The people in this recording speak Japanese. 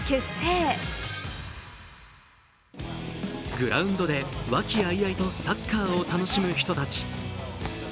グラウンドで和気あいあいとサッカーを楽しむ人たち。